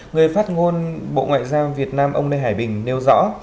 người phát ngôn bộ ngoại giao việt nam ông lê hải bình nêu rõ